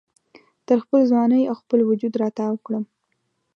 تر خپل ځوانۍ او خپل وجود را تاو کړم